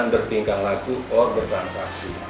bertingkah laku atau bertransaksi